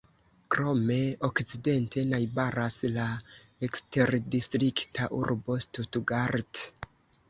Krome okcidente najbaras la eksterdistrikta urbo Stuttgart.